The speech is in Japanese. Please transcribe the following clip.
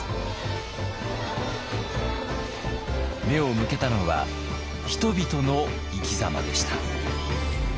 目を向けたのは人々の生き様でした。